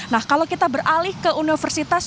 nah kalau kita beralih ke universitas